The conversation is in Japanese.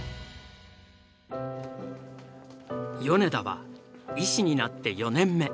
米田は医師になって４年目。